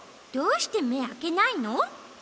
どうしてめあけないの？